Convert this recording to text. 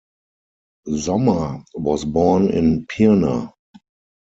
Sommer was born in Pirna.